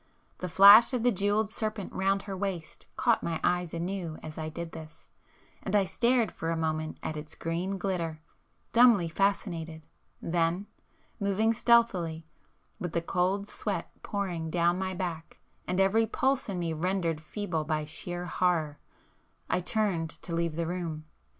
The flash of the jewelled serpent round her waist caught my eyes anew as I did this, and I stared for a moment at its green glitter, dumbly fascinated,—then, moving stealthily, with the cold sweat pouring down my back and every pulse in me rendered feeble by sheer horror, I turned to leave the room.